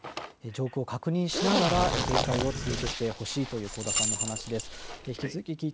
情報を確認しながら警戒を続けてほしいというお話です。